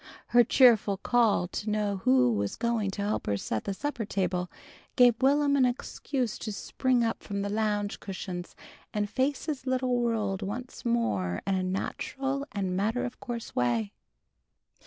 Her cheerful call to know who was going to help her set the supper table, gave Will'm an excuse to spring up from the lounge cushions and face his little world once more in a natural and matter of course way.